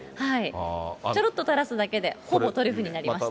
ちょろっと垂らすだけで、ほぼトリュフになりました。